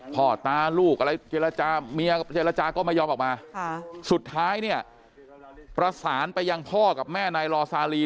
พ่อตาลูกอะไรเจรจาเมียเจรจาก็ไม่ยอมออกมาสุดท้ายเนี่ยประสานไปยังพ่อกับแม่นายรอซาลี